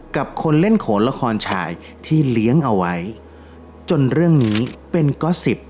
กับคนเล่นโขนละครชายที่เลี้ยงเอาไว้จนเรื่องนี้เป็นก๊อตสิบ